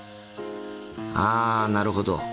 あなるほど。